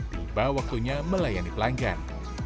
tiba waktunya melayani pelanggan